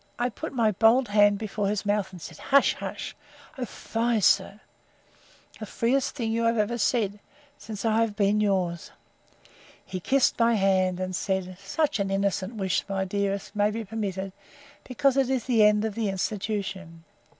—I put my bold hand before his mouth, and said, Hush, hush! O fie, sir!—The freest thing you have ever yet said, since I have been yours!—He kissed my hand, and said, Such an innocent wish, my dearest, may be permitted me, because it is the end of the institution.